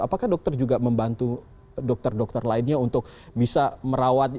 apakah dokter juga membantu dokter dokter lainnya untuk bisa merawat